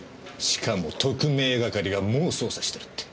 しかも特命係がもう捜査してるって。